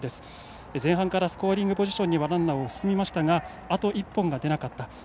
前半からスコアリングポジションにランナーは進みましたがあと１本が出なかった。